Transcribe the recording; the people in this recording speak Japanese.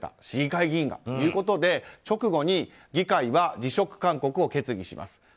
市議会議員がということで直後に議会は辞職勧告を決議します。